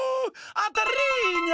あたりニャ！